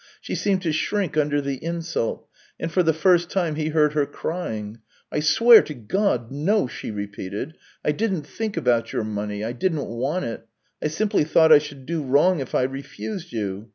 She seemed to shrink under the insult, and for the first time he heard her crying. " I swear to God, no!" she repeated. "I didn't think about your money; I didn't want it. I simply thought I should do wrong if I refused you.